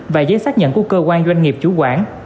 và giấy xác nhận của cơ quan doanh nghiệp chủ quản